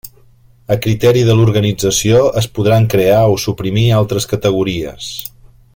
A criteri de l'organització es podran crear o suprimir altres categories.